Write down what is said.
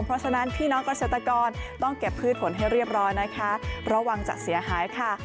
เพราะฉะนั้นพี่น้องเกษตรกรต้องเก็บพืชผลให้เรียบร้อยนะคะระวังจะเสียหายค่ะ